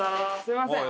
すみません。